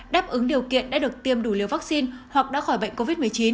đáp ứng điều kiện đã được tiêm đủ liều vaccine hoặc đã khỏi bệnh covid một mươi chín